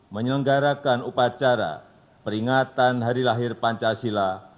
menyelenggarakan upacara peringatan hari lahir pancasila